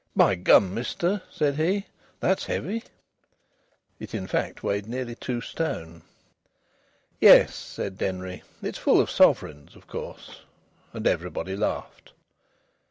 "By gum, mister!" said he, "that's heavy!" It, in fact, weighed nearly two stone. "Yes," said Denry, "it's full of sovereigns, of course." And everybody laughed.